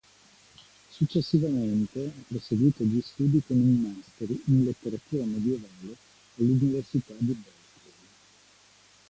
Successivamente, ha proseguito gli studi con un master in Letteratura Medioevale all'Università di Berkeley.